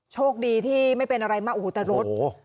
โชคดีที่ไม่เป็นอะไรมากโอ้โหแต่รถ